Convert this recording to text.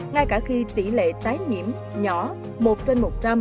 ngay cả khi tỷ lệ tái nhiễm nhỏ một trên một trăm linh